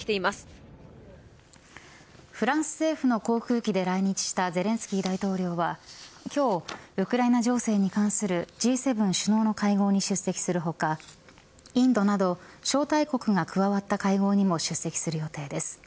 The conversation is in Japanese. フランス政府の航空機で来日したゼレンスキー大統領は今日、ウクライナ情勢に関するＧ７首脳の会合に出席する他インドなど招待国が加わった会合にも出席する予定です。